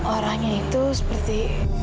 orangnya itu seperti